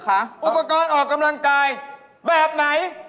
น่าจะเล่น๓อัน